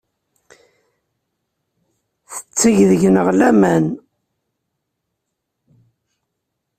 Tetteg deg-neɣ laman.